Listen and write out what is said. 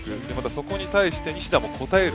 そこに対して西田も応える。